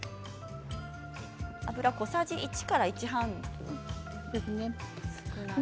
油小さじ１から１半です。